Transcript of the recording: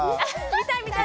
見たい見たい。